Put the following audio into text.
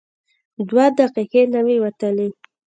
دوه دقیقې نه وې وتلې.